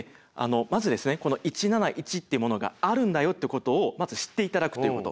まずこの１７１っていうものがあるんだよっていうことをまず知って頂くということ。